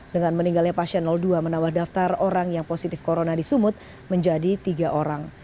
dengan meninggalnya pasien dua menambah daftar orang yang positif corona di sumut menjadi tiga orang